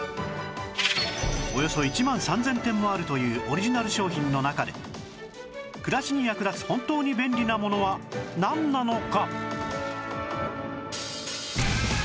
およそ１万３０００点もあるというオリジナル商品の中で暮らしに役立つ本当に便利なものはなんなのか